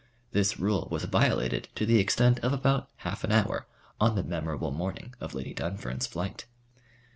This rule was violated to the extent of about half an hour on the memorable morning of Lady Dunfern's flight.